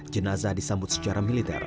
jenazah disambut secara militer